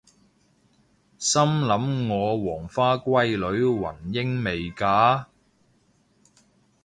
心諗我黃花閨女雲英未嫁！？